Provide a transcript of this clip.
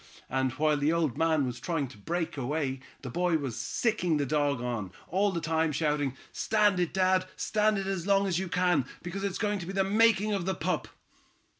And while the old man was trying to break away, the boy was sicking the dog on, all the time shouting: 'Stand it, dad, stand it as long as you can, because it's going to be the making of the pup!'"